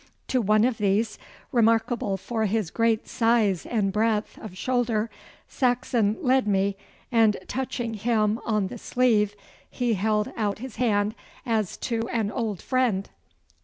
To one of these, remarkable for his great size and breadth of shoulder, Saxon led me, and touching him on the sleeve, he held out his hand as to an old friend.